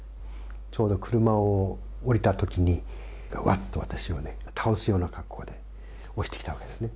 ちょうど車を降りた時にわっと私をね、倒すような格好で押してきたわけですね。